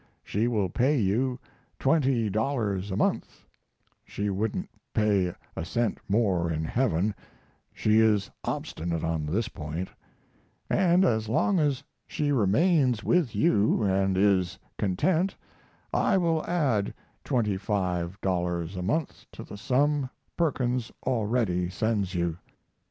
She will pay you $20 a month (she wouldn't pay a cent more in heaven; she is obstinate on this point), and as long as she remains with you and is content I will add $25 a month to the sum Perkins already sends you.